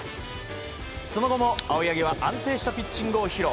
その後も青柳は安定したピッチングを披露。